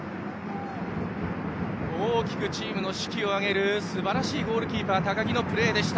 大きくチームの士気を上げるすばらしいゴールキーパー高木のプレーでした。